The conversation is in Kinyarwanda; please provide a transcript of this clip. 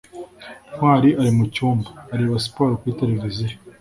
ntwali ari mucyumba, areba siporo kuri televiziyo